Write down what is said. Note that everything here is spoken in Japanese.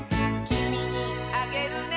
「きみにあげるね」